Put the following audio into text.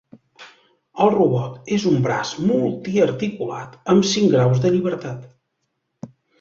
El robot és un braç multiarticulat amb cinc graus de llibertat.